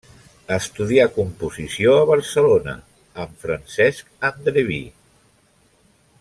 Estudià composició a Barcelona amb Francesc Andreví.